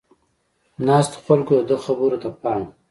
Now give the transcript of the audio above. ناستو خلکو د ده خبرو ته پام و.